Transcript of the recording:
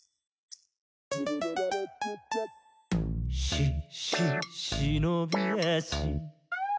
「し・し・しのびあし」